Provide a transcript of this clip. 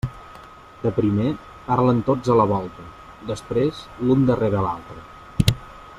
De primer parlen tots a la volta, després l'un darrere l'altre.